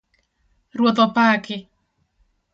Ruoth opaki